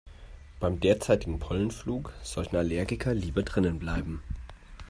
Beim derzeitigen Pollenflug sollten Allergiker lieber drinnen bleiben.